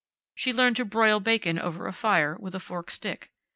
She learned to broil bacon over a fire, with a forked stick.